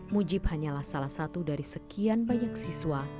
mujib hanyalah salah satu dari sekian banyak siswa